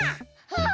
あ！